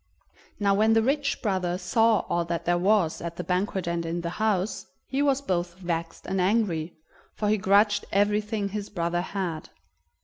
Now when the rich brother saw all that there was at the banquet and in the house, he was both vexed and angry, for he grudged everything his brother had.